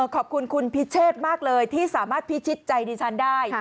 ขอบคุณคุณพิเชษมากเลยที่สามารถพิชิตใจดิฉันได้